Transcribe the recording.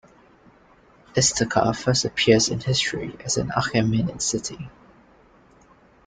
Istakhr first appears in history as an Achaemenid city.